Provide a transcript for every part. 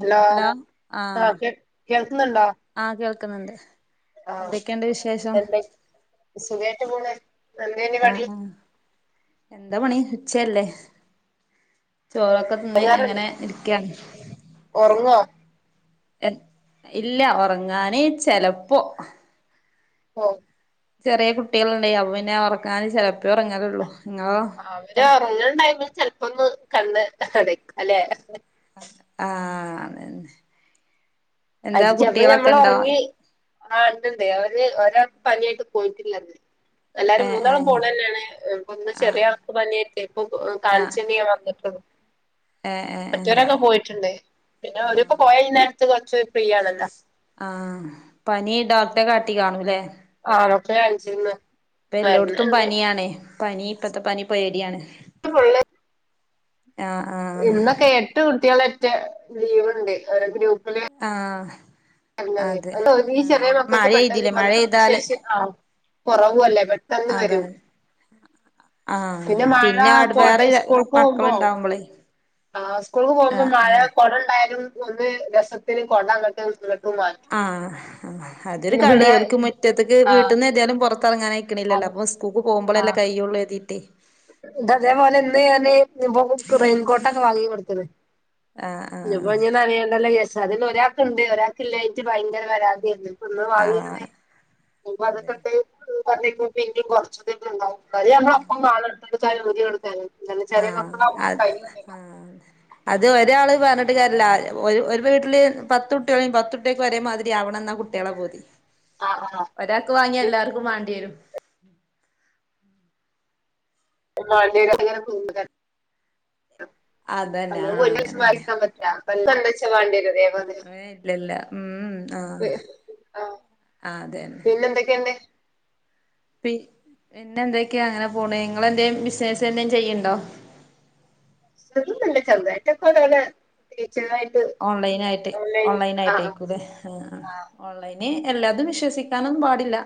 Hello ആ ആഹ് കേ കേൾക്കുന്നുണ്ടോ ക്കുന്നുണ്ട് ആ എന്ത സുഖായിട്ട് പോണ് എന്തേനി ആ പണി ആ എന്താ പണി ഉച്ചല്ലേ ചോറൊക്കെ തിന്ന് അങ്ങനെ ഇരിക്കാണ് ഒർങ്ങോ എ ഇല്ല ഉറങ്ങാന് ചെലപ്പോ [inaudible] ചെറിയ കുട്ടികളുണ്ട് അപ്പേ പിന്നെ ഉറക്കാന് ചെലപ്പളാ ഒറങ്ങലൊള്ളു അവർ ഒർങ്ങാ ടൈമിൽ ചെൽ പ്പൊന്ന് കണ്ണ് അടക്കും [unintelligible] അല്ലെ ആ അതന്നെ അ എന്താ ചെൽപ്പൊ കുട്ടികളൊക്കെ ഞമ്മൾ ഉണ്ടോ ഒർങ്ങി ആ ഉണ്ടുണ്ട് അവര് ഒരാൾക്ക് പനിയായിട്ട് പോയിട്ടില്ല ഇന്ന് എല്ലാരും ഏഹ് മൂന്നാളം പോണ ഏഹ് തന്നെയാണ് ഇപ്പൊ ഇന്ന് ആഹ് ചെറിയ ആക്ക് പനിയായിട്ട ഇപ്പൊ ആഹ് കാണിച്ചിട്ട വന്നിട്ടത് ഏഹ് ഏഹ് ഏഹ് മറ്റോരൊക്കെ പോയിട്ടുണ്ട് പിന്ന ആഹ് ഓരിപ്പോ പോയാ ഈ നേരത്ത് ചെ ഫ്രീ ആണല്ലോ ആ പനി ഡോക്ടറെ കാട്ടി കാണൂല്ലേ? ആണൊക്കെ കാണിച്ചിന്ന് ഇപ്പ എല്ലോടത്തും മരുന്നുണ്ട് പനിയാണ് പനി ഇപ്പത്തെ പനി പോയ യാണ് ത്ത് ഫുള്ള് ആഹ് ആഹ് ഇന്നൊക്കെ എട്ട് കുട്ടികളെ മറ്റ് ലീവുണ്ട് ഓരെ ഗ്രൂപ്പ്‌ ആ അല്ലത് [unintelligible] ഈ ചെറിയ മക്കക്ക് പെട്ടന്ന് മഴെയ്തില്ലേ മഴെയ്താല് പ്രധിരോധശേഷി ആവും കുറവു അല്ലേ പെട്ടെന്ന് വരും അതാണ് ആഹ് പിന്നെ മഴ ആട് കൊട് വേറെ സ്കൂൾക്ക് പോകുമ്പോ മക്കളുണ്ടാവുമ്പളേ ആ സ്കൂൾക്ക് പോകുമ്പോ മഴ ആഹ് കൊട ഉണ്ടായാലും ഒന്ന് രസത്തിന് കൊട അങ്ങട്ട് ഇങ്ങ് ആ അതൊരു കളി ഇവിടെ ഓൽക്ക് മുറ്റത്ത്ക്ക്‌ വീട്ടന്ന് ഏതാലും പൊർ ഇപ്പങ്ങനെ അയക്കണില്ലല്ലോ ആഹ് അപ്പോ സ്കൂക്ക് പോകുമ്പളല്ലേ കൈയ്യുള്ളു എതി ഏഹ് ദ അതേപോലെ എന്ത് ചെയ്യാന് [unintelligible] പോകുമ്പോ റെയിൻ കോട്ടക്ക വാങ്ങി കൊടുക്കെന്നെ ആഹ് ഇനിപ്പോ ആഹ് ഇനി നനയണ്ടല്ലോ [unintelligible] ഒരാക്ക് ഒണ്ട് ഒരാക്കില്ലേ നിക്ക് ഭയങ്കര പരാതിയാരുന്നു ഒന്ന് ആഹ് വാങ്ങിയിരുന്നേൽ [inaudible] അതെ [unintelligible] കരയാണ് അപ്പം വാളു [unintelligible] ആഹ് അത് ആ അത് ഒരാള് പറഞ്ഞിട്ട് കാരല്യ ല്ല ഒരു വീട്ടില് പത്ത് കുട്ടികളും പത്തുട്ടിക്ക് ഒരേ മാതിരി ആവണം എന്നാ കുട്ടികളെ ബൂതി ആഹ് ആഹ് ഒരാക്ക് വാങ്ങിയാ എല്ലാർക്കും വാണ്ടി വരും ഉം [unintelligible] അതന്നെ അത് ആഹ് ഒരീസം മാറി അങ്ങനെന്നെ നിക്കാൻ പറ്റൂല ൻകേന്ദച്ചാ വാണ്ടിരുവേ അതേ ഇല്ലില്ല ആ ആഹ് ആ അതെന്നെ പിന്നെ എന്തൊക്കെയുണ്ട് പി പിന്നെ എന്തൊക്കെയാ അങ്ങനെ പോണേ നിങ്ങെന്തേ ബിസിനസ്‌ വല്ലതും ചെയ്യുണ്ടോ ബിസിനസ്‌ ഒന്നുല്യ ചെറുതായിട്ടാക്കെ ഓരോരോ ടീച്ചറായിട്ട് ഓൺലൈനായിട്ട് ഓൺലൈൻ ആഹ് ഓൺലൈനായിട്ട് ആഹ് വിൽക്കും അല്ലേ ഇനി എല്ലാതും വിശ്വസിക്കാനൊന്നും പാടില്ല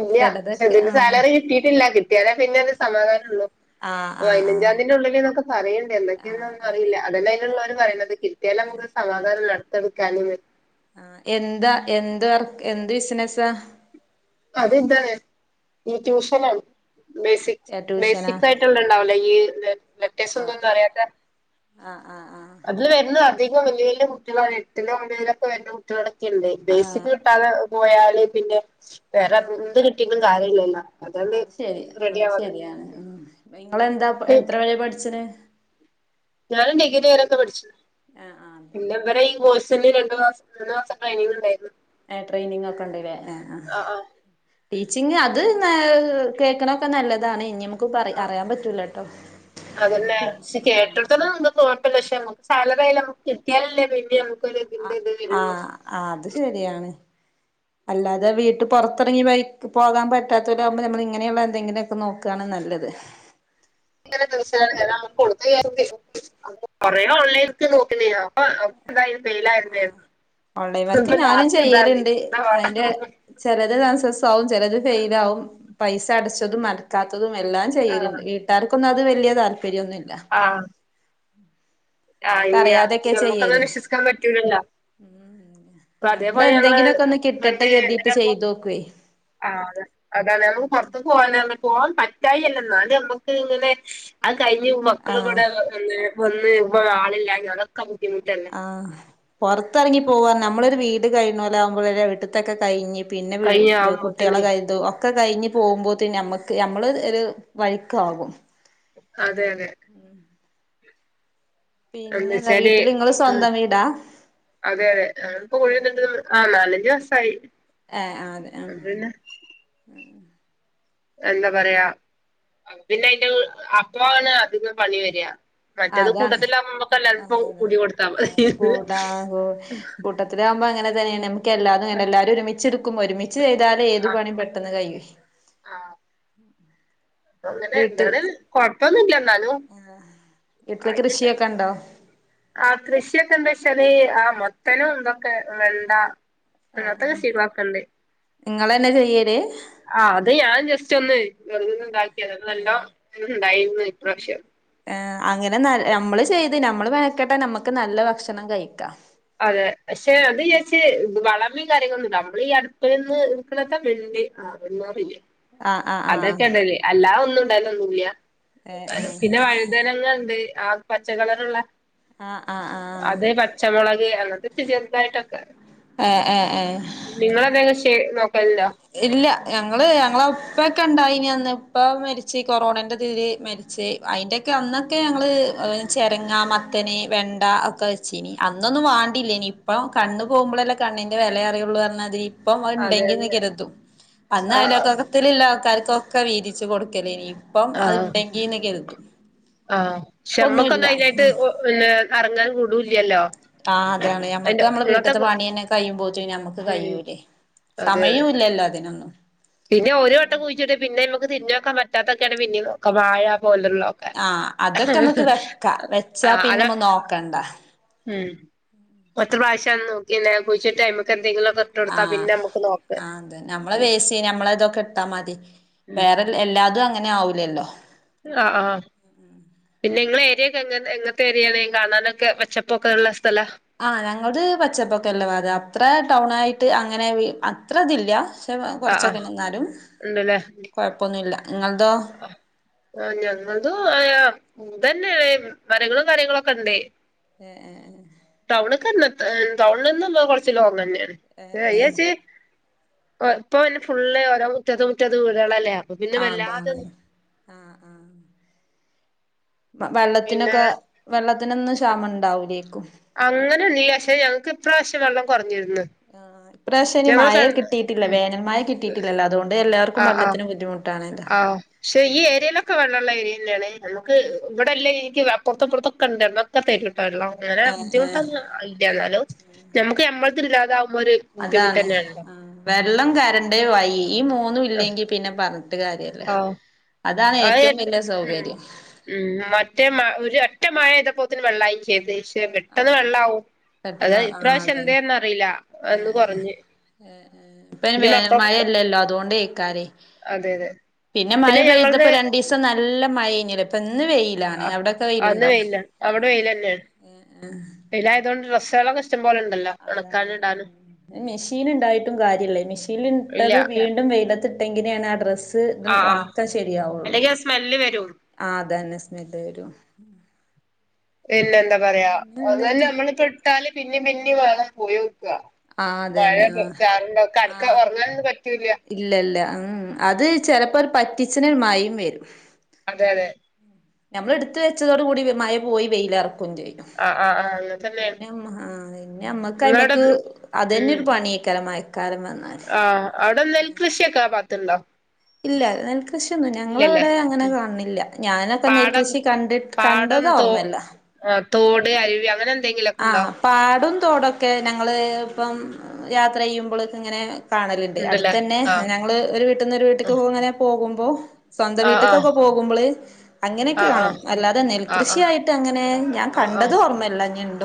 ഇല്ല പക്ഷെ ചിലതൊക്കെ ഇതിന്റെ ആഹ് സാലറി കിട്ടിയിട്ടില്ല കി ട്ടിയാലേ പിന്നെ ഒരു സമാധാനം ഉള്ളൂ ആഹ് ആഹ് പതിനഞ്ചാം ആഹ് തിയതീന്റെ ഉള്ളില് എന്നൊക്കെ പറയിണ്ട് എന്തൊക്കെയൊന്നും ആഹ് ആഹ് അറിയില്ല അതന്നെ അതിനുള്ളോർ പറയണത് കിട്ടിയാലെ നമ്മക്ക് സമാധാനം ഉള്ളു [unintelligible] ആ എന്താ എന്ത് വർ എന്ത് ബിസിനസാ അത് ഇതാണ് ഈ ട്യൂഷൻ ആണ് ബേസിക് ട്യൂഷനാ ബേസിക് ആയിട്ടുള്ള ഉണ്ടാവൂലെ ഈ ലെറ്റേഴ്സ് ആ ഒന്നും വരാത്ത ആ ആ ആ അത് വരുന്നതാണ് അധികം വല്യ വല്യ കുട്ടികളാണ് എട്ടിലും ഒമ്പതിലുമൊക്കെ വരുന്ന കുട്ടികള് ആ ബേസിക്ക് കിട്ടാതെ പോയാല് പിന്നെ ആ വേറെ എന്ത് കിട്ടിയിട്ടും കാര്യമില്ലല്ലോ അതാണ് അത് ശരി ആ റെഡി ആവാതെ ശരിയാണ് ഉം നിങ്ങളെന്താ എത്ര വരെ പ [unintelligible] ഞാനും ഡിഗ്രി വരെയൊക്കെ പഠിച്ചു. ആഹ് ആഹ് അതെ. രണ്ട് മാസം മൂന്ന് മാസം ട്രെയിനിങ് ഉണ്ടായിരുന്നു. ഏ ട്രെയിനിങ് ഒക്കെ ഉണ്ടല്ലേ ആഹ് ആഹ്. ടീച്ചിങ് അത് കേക്കണൊക്കെ നല്ലതാണ് ഇനി പറ ആഹ് അറിയാൻ പറ്റൂലട്ടോ അതല്ലേ കേട്ടടുത്ത നൊ [unintelligible] സാലറിയായി നമുക്ക് കിട്ടിയാലല്ലേ വേണ്ടി നമു ആഹ് ആഹ് അത് ശരിയാണ്. അല്ലാതെ വീട്ടു പുറത്തിറങ്ങി പോകാൻ പറ്റാത്തവരാ ആകുമ്പോൾ നമ്മൾ ഇങ്ങനെയുള്ള എന്തെങ്കിലുമൊക്കെ നോക്കുകാണ് നല്ലത്. ഇങ്ങനെ ദിവസല്ല [unintelligible] ആഹ് ഓൺലൈൻ വർക്ക് ഇപ്പൊ ഞാനും ലാസ്റ്റ് ഇതാണ് ചെയ്യലുണ്ട് എന്താ പാട് അതിന്റെ ചില ചിലത് ഫെയിൽ ആവും. പൈസ അടച്ചതും അടക്കാ തും എല്ലാം ചെയ്യല്ലുണ്ട് ആഹ് വീട്ടാർക്ക് ത്ത് വലിയതാണ്. താല്പ്പര്യമൊന്നുമില്ല ഉം ആ ഇല്ല പക്ഷേ നമുക്കത് വിശ്വസിക്കാൻ പറ്റൂലല്ല നമ്മള് അതേപോലെ ഞങ്ങള് എന്തെങ്കിലുമൊക്കെ ഒന്ന് കിട്ടട്ടെ കരുതിയിട്ട് ചെയ്തു നോക്കുവേ ആ അത നമ്മക്ക് പുറത്ത പോകാ പോകൻ പറ്റായില്ലെന്ന അത് നമുക്ക് ഇങ്ങനെ കഴിഞ്ഞു മക്കളും ആഹ് കൂടെ ഒന്നേ അ ആളില്ല അതൊക്കെ ദും ആ പുറത്തിറങ്ങി പോവാ നമ്മ നമ്മള് ഒരു വീട് കഴിഞ്ഞ പോലെ ഒരു വവിട്ടത്തൊക്കെ [unintelligible] കഴഞ്ഞ് കയ്യ പിന്നെ ആവുമ്പോത്തിന് കുട്ടികളെ കരുതോ ഒക്കെ കഴിഞ്ഞ് പോകുമ്പോൾ നമ്മക്ക് നമ്മള് ഒരു വഴക്ക് ആകും അതെ അതെ പിന്നെ എന്താ എന്ന്‌വച്ചാല് വീട്ടില് നിങ്ങള് ഉം സ്വന്തം വീടാ അതെ അതെ അപ്പോ ഒ [unintelligible] നാല ഒത്തിരിവുവനായി ആഹ അതെ ആഹ എന്താ പറയാ പിന്നെ അതിന്റെ അപ്പണ് അതിന്ന് പണി വരിക മറ്റേത് അതാണ് കൂട്ടത്തിലാവുമ്പോ നമ്മക്ക് എല്ലാർക്കും കൂടി കൊടുത്താ ആ മതി കൂടാ ആ കൂട്ടത്തിലാകുമ്പം അങ്ങനെ [unintelligible] എല്ലാതുംങ്ങെനേ എല്ലാരും ഒരുമിച്ച് എടുക്കുമ്പം ഒരുമിച്ച് ചെയ്താല് ഏത് പണിയും പെട്ടെന്ന് കയോ [inaudible] ആ അങ്ങനെ വീട്ടിൽ എന്താണ് കൊഴപ്പൊന്നുല്ല എന്നാലും വീട്ടില് ആയിട്ട്ണ്ട് കൃഷിയൊക്കെ ഉണ്ടോ ആ കൃഷിയൊക്കെന്താച്ചാല് മത്തനും ഇതൊക്കെ വെണ്ട [unintelligible] നിങ്ങളെനചെയ്യല് ആ അത് ഞാൻ ജസ്റ്റ് ഒന്ന് വെറുതെണ്ടാ [unintelligible] ഉണ്ടായിരുന്നു ഇപ്രാവശ്യം ആ അങ്ങനെ നല് നമ്മള് ചെയ് നമ്മള് മെനകേട്ടാ നമക്ക് നല്ല ഭക്ഷണം കഴിക്കാ അതെ പക്ഷെ അത് ജാരിച്ച് വള നമ്മ കാര്യങ്ങളൊന്നും നമ്മള് ഈ അടുപ്പ്‌ലിന്ന് നിക്കണത്തെ വെണ്ടി [unintelligible] ആഹ് ആഹ് ആഹ് അതൊക്കെ ഇടല് അല്ലാതെന്നും [unintelligible] ലൊന്നുംല്ല ഏഹ് ഏഹ് പിന്നെ വഴുതനങ്ങ ആഹ് പച്ചക്കളറ്ള്ള ആഹ് ആഹ് ആഹ് [unintelligible] ചെറുതായിട്ട് ഒക്കെ ഏഹ് ഏഹ് ഏഹ് നിങ്ങളെ എന്തേലും ശൈ [unintelligible] ഇല്ല ഞങ്ങള് ഞങ്ങളെ ഇപ്പക്കെണ്ടായി നി അന്ന് ഉപ്പ മരിച്ച് കൊറോണേന്റെ തീൽ മരിച്ച് അയിന്റെക്കെ അന്നൊക്കെ ഞങ്ങള് ചെരങ്ങ മത്തന് വെണ്ട ഒക്കെ വെച്ചീനി അന്നൊന്നും വാണ്ടില്ലേനി ഇപ്പം കണ്ണ് പോകുമ്പളല്ലേ കണ്ണിന്റെ വെലയറിയുള്ളുറഞ്ഞാതിരി ഇപ്പൊ അഹ് അതെ ണ്ടെങ്കി അതെ ത്തുംഅന്ന് ആ അയലോക്കത്തില്ളള ആൾക്കാർക്കൊക്കെ വീതിച്ച് കൊടുക്കലേനി പ്പം അഹ് ഡെങ്കിന്നെ കെര്തു ആഹ്‌ ക്ഷേ അമ്മക്കൊന്നും അയിനായിട്ട് ഉം ഓ പിന്നെ എറങ്ങാനും കൂടു ആഹ് അതാണ് ഞമ്മക്ക് ഞമ്മളെ അങ്ങനത്തെ വീട്ട്ത്തെ പണിയെന്നെ കയ്യുമ്പോത്തിന് ഞമ്മക്ക് ഉം കയ്യൂലേ അതെ അതെ സമയുല്ലല്ലോ അതിനൊന്നും പിന്നെ ഒരു വട്ടം കുഴിച്ചിട്ടെ പിന്നെ ക്ക് ന തിന്നോക്കാ പറ്റാത്തക്കെയാണ് പിന്നീ വായ ആഹ്‌ അതൊക്കെ നമ്മുക്ക് വെക്ക വെച്ചാ ആഹ് അത് പിന്നെമ്മ നോക്കണ്ട ഉം ഒറ്റ പ്രാശ്യ നോക്കി കുഴിച്ചിട്ട മ്മക്കെ എന്തെങ്കിലും ആഹ്‌ ആ അത് നമ്മള വേസി നമ്മള ഇതൊക്കെ ഇട്ടാ മതി വേറെ എല്ലാതും തന്നെ ആവൂല്ലല്ലോ ആഹ്‌ ആഹ്‌ പിന്നെ [inaudible] ഇയെ എങ്ങനത്തെ വരിയണെങ്ക കാണാനൊക്കെ പച്ചപ്പോക്കെ ഉള്ള സ്ഥലാ ആഹ് ഞങ്ങുടെ പച്ചപ്പക്കെല്ല അത അത്ര ടൗണ ആയിട്ട് അങ്ങനെ അത്ര ഇതില്ല പക്ഷ ആഹ് കുറച്ചൊക്കെ ആഹ് നിന്നാലും കുഴപ്പമൊന്നുമില്ല ആ ആഹ ഞങ്ങൾത് ആയാ ഉതന്നെയ മരങ്ങളും കാര്യങ്ങളും ഒക്കെ ഉണ്ടേ ഏ ഇങ്ങക്ക് ടൗണ് ന്ന് കുറച്ച് ലോങ് തന്നെയാണ് ഏഹ് ഏ ഏഹ് ഏച്ചി ഓ ഇപ്പൊ പിന്നെ ഫുള്ള് ഓരോ മുറ്റത്ത് മുറ്റത്ത് വീടുകളല്ലേ അപ്പൊ പിന്നെ ആഹ് വല്ലാതെ അതാണ് ആഹ് ആഹ് വ പിന്നെ വെള്ളത്തിനൊക്കെ വെള്ളത്തിനൊന്നും ക്ഷാമം ഉണ്ടാവൂലേക്കും അങ്ങനെ ഇല്ല്യ ക്ഷേ ഞങ്ങക്ക് ഇപ്രാവശ്യം വെള്ളം കൊറ ആഹ് ഇപ്രാവശ്യം അയ്ന് മഴ കിട്ടിയിട്ടില്ല ഉം വേനൽ മഴ കിട്ടിയിട്ടില്ലല്ലോ അതുകൊണ്ട് എല്ലാവർക്കും വള്ളത്തിന് ബുദ്ധിമുട്ടാ ആ പക്ഷെ ഈ ഏരിയയിലൊക്കെ വെള്ളമുള്ള ഏരിയ ഇല്ല [unintelligible] നമുക്ക് ഇവിടെല്ലേ എനിക്ക് അപ്പുറത്തും ഇപ്പുറത്തും ഒക്കെ ഉണ്ട് [unintelligible] തരും വെള്ളം അങ്ങനെ ആഹ് ആഹ് ബുദ്ധിമുട്ട്ന്നും ഇല്ല എന്നാലും നമുക്ക് ചമ്മന്തി ഇല്ലാതെ- അതാണ് വെള്ളം കറന്റ് വഴി ഈ മൂന്നും ആഹ് ഇല്ലെങ്കിൽ പിന്നെ പറഞ്ഞ ആഹ് അത് വലിയ ഉ സൗകര്യം ഉ മറ്റേ ഒരു ഒറ്റ മായ പെയ്ത അപോത്തിനെ വെള്ളായിം ചെയ്തത് ആ പെട്ടെന്ന് ആ ഇപ്രാവശ്യം അതെ എന്തേന്ന് അറിയില്ല അന്ന് കൊറഞ്ഞ് ഇപ്പ പിന്നെ വേനൽ മഴ മക്കൾക്കൊക്കെ ഇല്ലല്ലോ അതുകൊണ്ട് അതെ അതെ പിന്നെ മഴ പെയ്തപ്പം രണ്ടീസം നല്ല നല്ല മഴേനി ഇപ്പം ഇ ആ ഇന്ന് വെയില അവിടെ വെയിലെ ന്നെ ആ ആഹ ഡ്രെസ്സേളോക്കെ അതാണ് മെഷീൻ ഇണ്ടായിട്ടും കാര്യല്ലേ മെഷീൻ ഇല്ല ഇട്ടത് വീണ്ടും വെയിലത്തിട്ടെങ്കില തന്നെയാണ് ആ ഡ്രസ്സ് ത് ആഹ് ഉണക്കം ശരിയാവുള്ളൂ അല്ലെങ്കി ആ സ്മെല്ല് വരും ആ അതന്നെ സ്മെല്ല് വരും ഉം പിന്നെ എന്താ പറയാ അതെന്നെ നമ്മളിപ്പോ ഇട്ടാലും പിന്നിം പിന്നിം മണം പോയോക്കാ ആ മഴ അതന്നെ ആഹ ചാറ്ണ്ടോ കടക്ക ആഹ ഒറങ്ങാനൊന്നും പറ്റൂല്ല ഇല്ലല്ല ഉ അത് ചിലപ്പോ പറ്റിച്ണെമയിം വരും അതെ അതെ നമ്മൾ എടുത്ത വെച്ചതോട് കൂടി മഴ പോയി വെയില ചെയ്യും ആഹ് ആഹ് ആഹ് അങ്ങനെ തന്നെയാണ് പിന്നെ ഞമ്മക് ഇന്നവിടെ അയ്മ്മക്ക് അതന്നെ ഉം ഒരു പണിയക്കാരം ആഹ് അവിടെ നെൽകൃഷിയൊക്കെ ഇണ്ടോ ഇല്ല നെൽക്ക് കൃഷിയൊന്ന് ഞങ്ങളവിടെ അങ്ങനെ ഉം കാണില്ല ഞാനൊക്കെ നെൽ പാടം കൃഷി കണ്ടിട്ട് പാടം കണ്ടത് ഓർമ്മല്ല തിഅവരൻ ആഹ് പാടും ത്തോടൊക്കെ ഞങ്ങള് ഇപ്പം യാത്ര ചെയ്യുമ്പൊള്ക്കങ്ങനെ കാണല്ണ്ട് ഉണ്ടല്ലേ അടുത്തന്നെ ആഹ് ഞങ്ങള് ഒരു വീട്ട്ന്ന് ഒരു വീട്ട്ക്ക്ങ്ങനെ പോകുമ്പ ഓഹ് സ്വന്തം ആഹ് ആഹ് വീട്ട്ക്കൊക്കെ പോകുമ്പള് അങ്ങനെയൊക്കെ ആഹ് കാണും ആഹ് അല്ലാതെ ആഹ് നെൽകൃഷി ആഹ് ആയിട്ടങ്ങനെ ഞാൻ ആഹ് ആഹ് കണ്ടതോർമ്മല്ല ഞ് ണ്ട്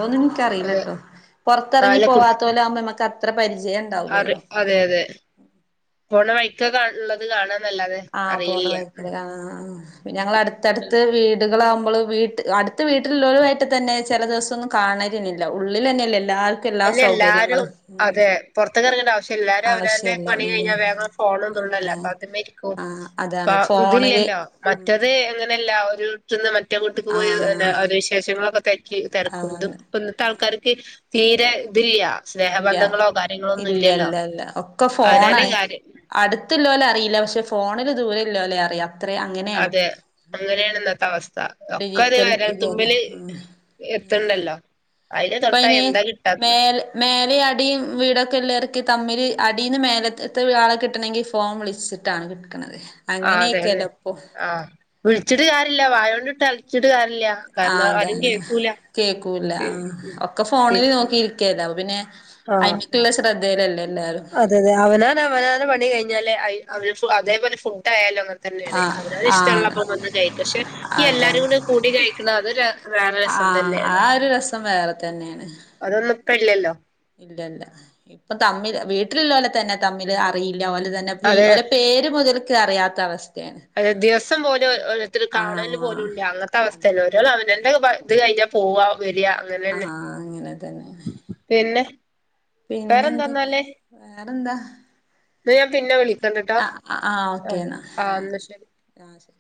അതെ ഒന്നുൻക്കറീലട്ടൊ പൊർത്തർങ്ങി പോവാത്തോലാ മ്മക്ക് അത്ര പര് അത് അതെ അതെ പോണ വൈക്കകാ ള്ളത് കാണാ ആഹ് പോണവൈക്കല് ആ ആപിന്നെ ഞങ്ങളട്‌ത്തട്‌ത്ത് വീടുകളാവു വള് വീട്ട് അടുത്ത വീട്ടിലുള്ളരുമായിട്ടതെന്നെ ചില ദിവസൊന്നും കാണലില്ലല്ലോ ഉള്ളിലെന്നെയല്ലെ എല്ലാ എല്ലേ എല്ലാരും സൗകര്യങ്ങളും അതെ പൊർത്ക്ക്ർങ്ങേണ്ട അവ് എല്ലാരും അവനവന്റെ ആവശ്യല്ല പണി ഉം കഴിഞ്ഞാ വേഗ ഫോൺലും ആയിട്ട് തോണ്ടല്ലേ പ്പത് മേരിക്കും ആഹ് പ്പ അതാണ് ഫോണില് ഇതിലില്ലല്ലോ ഉം മറ്റത് എങ്ങനെയല്ല ഒ [unintelligible] [unintelligible] പോയ ആഹ് അവരെ വിശേഷങ്ങളൊക്കെ തെര് ക്കി തെര് ക്കും ആഹ് ഇത്പ്പോ ന്നത്തെ ആൾക്കാർക്ക് തീരെ ത് ല്ല ല്ല ഇല്ലല്ല ല്ല ഒക്കെ ഫോണാ അവനവന്റെ കാര്യം അടുത്ത് ല്ലോലെ അറീ ല്ല പക്ഷെ ഫോണിൽ ദൂരല്ലോലെ അറിയാം അത്രേ അങ്ങനെയാണ് അതെ അങ്ങനെണ് ഇന്നത്തെ അവസ് ഡിജിറ്റൽ യുഗല്ലേ എത്തണ്ടല്ലോ പ്പ തൊട്ടാ അയിന് എന്താ മേ കിട്ടാത്തത് ൽ മേലിം അടീം വീടൊക്കെല്ലോ ർക്ക് തമ്മില് അടീ ന്ന് മേലത്തെ ആളെ കിട്ടണങ്കിൽ ഫോൺ വിളിച്ചിട്ടാണ് കിട്ട ആ അതെ അതെ ആഹ വിൾ ച്ചിട്ട് കാര്യല്ല വായോണ്ട് തൾ ചിടാ ആ അതാണ് കേക്കൂല്ല ആ ഒക്കെ പി ഫോണില് നോക്കി കേതാവും പിന്നെ അയ്‌ ആഹ് ക്ക് ള്ള ശ്ര ദേ ലല്ലേ അതെ തെ അവനാനവനാ ന് പണി കഴിഞ്ഞാലെ അയ് [unintelligible] അതേപോലെ ഫുഡ് ആയാലോ തന്നെയാണ് ആഹ് അവരത് ആഹ് ഇഷ്ടമുള്ളപ്പോ വന്ന് കഴിക്കും പക്ഷെ ഈ എല്ലാരും അതാണ് കൂടി കൂടി കഴിക്കണ അത് വേറെ രസം ആഹ് ആ തന്നെയാണ് ഒരു രസം വേറെ അതൊന് ഇപ്പയില്ലല്ലോ ഇല്ല ഇല്ല ഇപ്പ തമ്മില് വീട്ടില് ല്ലോലെ തന്നെ തമ്മില് അറിയി ഒലെ തന്നെ പേര് മുതൽ ക്ക് അറിയാത്ത അവസ് ഏ ദിവസം പോലും ഓരോരുത്തര് കാണല് പോലു ഇല്ല അങ്ങത്തെ ആഹ് അവസ്ത്തെണ് ഒരാൾ [unintelligible] എന്റെ ഒക്കെ [unintelligible] ഇത് കഴിഞ്ഞാ പോവാം. വെര് അങ്ങനെന്നെ ആഹ് അങ്ങനെ തന്നെ പിന്നെ പിന്നെ എന്തൊക്കെ വേറെന്താന്നാല് വേ എന്താ? ഇന്ന ഞാൻ പിന്നെ വിളി ആ ആ ഓക്കേ എന്നാ എന്നാ ശരി ആ ശരി